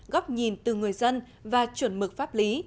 góc nhìn từ người dân và chuẩn mực pháp lý